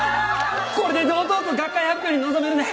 これで堂々と学会発表に臨めるね！